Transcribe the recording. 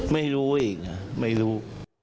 ไม่รู้อีกนะไม่รู้